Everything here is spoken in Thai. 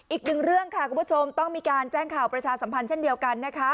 อีกหนึ่งเรื่องค่ะคุณผู้ชมต้องมีการแจ้งข่าวประชาสัมพันธ์เช่นเดียวกันนะคะ